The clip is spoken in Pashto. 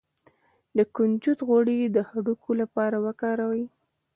د کنجد غوړي د هډوکو لپاره وکاروئ